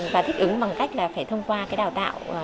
và thích ứng bằng cách là phải thông qua cái đào tạo